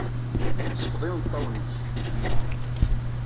Sfeḍ imeṭṭawen-nnek, a memmi.